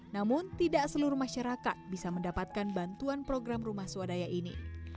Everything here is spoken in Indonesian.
namun tidak seluruh masyarakat bisa mendapatkan bantuan program rumah swadaya ini